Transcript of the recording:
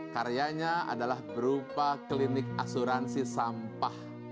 karyanya adalah berupa klinik asuransi sampah